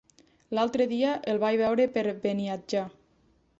L'altre dia el vaig veure per Beniatjar.